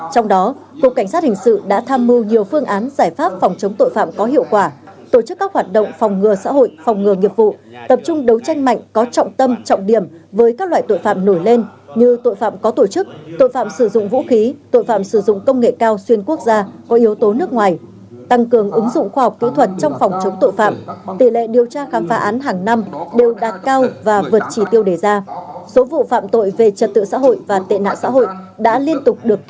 trong đó cục cảnh sát hình sự đã tham mưu nhiều phương án giải pháp phòng chống tội phạm có hiệu quả tổ chức các hoạt động phòng ngừa xã hội phòng ngừa nghiệp vụ tập trung đấu tranh mạnh có trọng tâm trọng điểm với các loại tội phạm nổi lên như tội phạm có tổ chức tội phạm sử dụng vũ khí tội phạm sử dụng công nghệ cao xuyên quốc gia có yếu tố nước ngoài tăng cường ứng dụng khoa học kỹ thuật trong phòng chống tội phạm tỷ lệ điều tra khám phá án hàng năm đều đạt cao và vượt trì tiêu